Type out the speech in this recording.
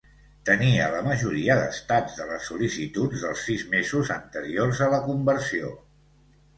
Tenia la majoria d"estats de les sol·licituds dels sis mesos anteriors a la conversió.